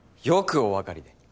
よくおわかりで。